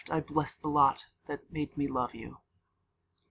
I bless the lot that made me love you.